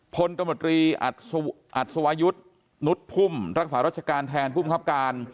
พลตมตรีอัศวยุทธ์นุษย์พุ่มรักษารัชการแทนผู้มังคับการ